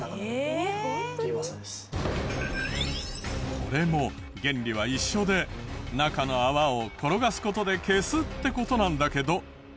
これも原理は一緒で中の泡を転がす事で消すって事なんだけど。